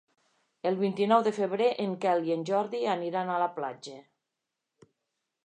El vint-i-nou de febrer en Quel i en Jordi aniran a la platja.